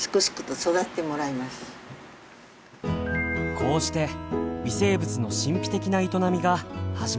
こうして微生物の神秘的な営みが始まります。